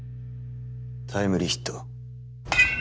タイムリーヒットを。